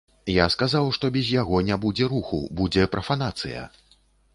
Я сказаў, што без яго не будзе руху, будзе прафанацыя.